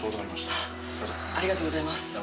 ありがとうございます。